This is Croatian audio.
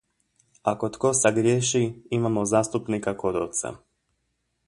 Ako tko sagriješi, imamo zastupnika kod oca.